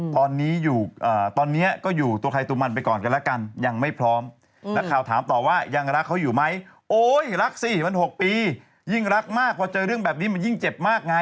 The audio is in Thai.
๖ปียิ่งรักมากกว่าเจอเรื่องแบบนี้มันยิ่งเจ็บมากไง